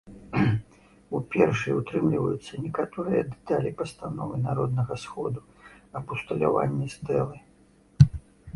У першай утрымліваюцца некаторыя дэталі пастановы народнага сходу аб усталяванні стэлы.